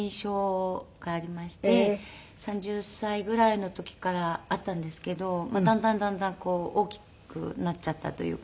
３０歳ぐらいの時からあったんですけどだんだんだんだん大きくなっちゃったというか。